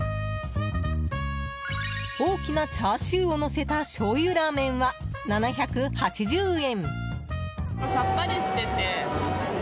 大きなチャーシューをのせた醤油らーめんは７８０円。